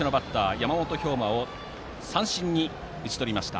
山本彪真を三振に打ち取りました。